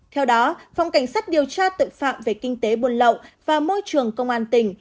theo đó phòng cảnh sát điều tra tội phạm về kinh tế buôn lậu và môi trường công an tỉnh